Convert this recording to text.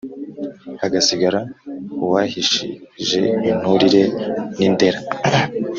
hagasigara uwahishije inturire n’indera: